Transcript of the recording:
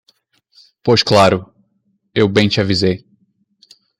pois claro, eu bem te avisei.